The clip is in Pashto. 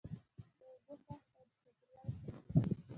د اوبو کمښت او چاپیریال ستونزې دي.